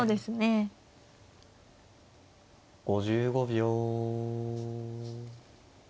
５５秒。